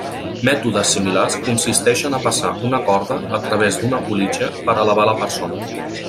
Mètodes similars consisteixen a passar una corda a través d'una politja per elevar la persona.